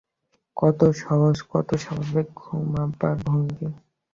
কত সহজ, কত স্বাভাবিক ঘুমাবার ভঙ্গি।